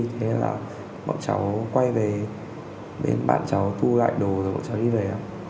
thế là bọn cháu quay về bên bạn cháu thu lại đồ rồi bọn cháu đi về